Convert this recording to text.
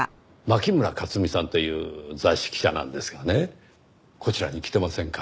牧村克実さんという雑誌記者なんですがねこちらに来てませんか？